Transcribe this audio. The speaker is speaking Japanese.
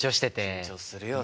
緊張するよね。